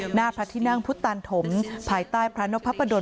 หน้าพัฒนาถุที่นั่งพุทธตานฑม